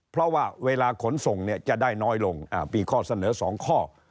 เพราะว่าเวลาขนส่งเนี่ยจะได้น้อยลงมีข้อเสนอ๒ข้อ